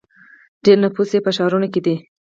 ډیری نفوس یې په ښارونو کې دی.